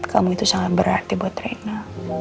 kamu itu sangat berarti buat retna